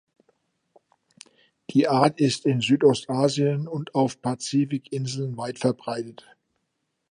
Die Art ist in Südostasien und auf Pazifikinseln weit verbreitet.